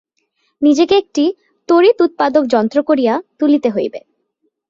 নিজেকে একটি তড়িৎ-উৎপাদক যন্ত্র করিয়া তুলিতে হইবে।